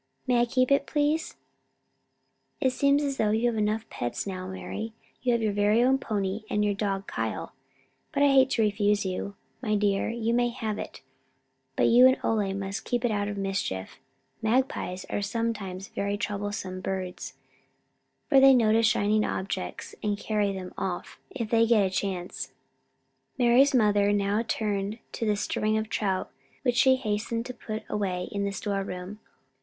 May I keep it, please?" "It seems as though you had enough pets now, Mari. You have your own pony and your dog Kyle. But I hate to refuse you, my dear. Yes, you may have it, but you and Ole must keep it out of mischief. Magpies are sometimes very troublesome birds, for they notice shining objects and carry them off if they get a chance." Mari's mother now turned to the string of trout which she hastened to put away in the storeroom.